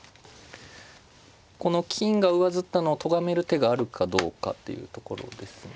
この金が上ずったのをとがめる手があるかどうかっていうところですね。